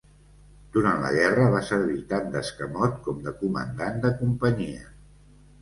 Durant la guerra va servir tant d'escamot com de comandant de companyia.